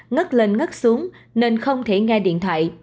ngất lên ngất xuống nên không thể nghe điện thoại